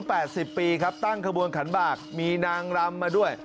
แปดสิบปีครับตั้งขบวนขันบากมีนางรำมาด้วย